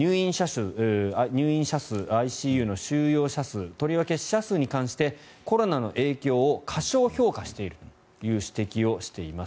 入院者数、ＩＣＵの収容者数とりわけ死者数に関してコロナの影響を過小評価しているという指摘をしています。